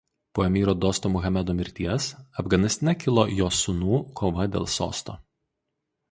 Po emyro Dosto Muhamedo mirties Afganistane kilo jo sūnų kova dėl sosto.